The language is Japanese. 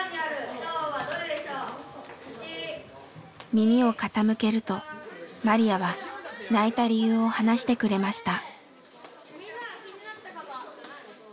耳を傾けるとマリヤは泣いた理由を話してくれました。